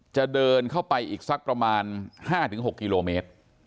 จะเดินเข้าไปอีกสักประมาณ๕๖กิโลเมตร